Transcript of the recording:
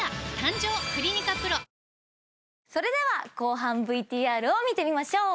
それでは後半ＶＴＲを見てみましょう。